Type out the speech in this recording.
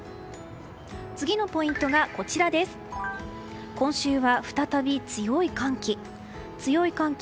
次のポイントが今週は再び強い寒気。